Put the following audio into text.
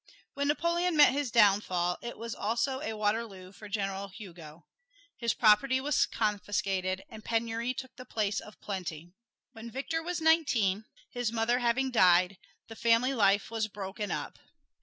When Napoleon met his downfall, it was also a Waterloo for General Hugo. His property was confiscated, and penury took the place of plenty. When Victor was nineteen, his mother having died, the family life was broken up.